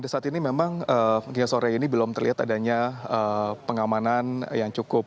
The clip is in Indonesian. saat ini memang hingga sore ini belum terlihat adanya pengamanan yang cukup